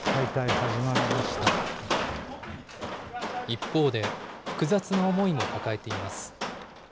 一方で、複雑な思いも抱えています。